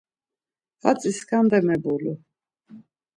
Hatzi skanda mebulur.